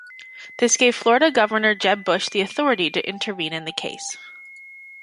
This gave Florida Governor Jeb Bush the authority to intervene in the case.